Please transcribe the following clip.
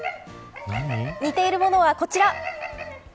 似ているものは、こちら。